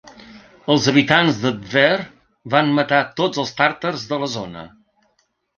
Els habitants de Tver van matar tots els tàrtars de la zona.